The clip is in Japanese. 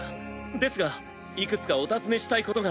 ですがいくつかお尋ねしたいことが。